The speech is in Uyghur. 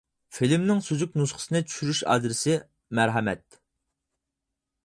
فىلىمنىڭ سۈزۈك نۇسخىسىنى چۈشۈرۈش ئادرېسى: مەرھەمەت!